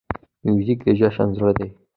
موزیک د جشن زړه دی.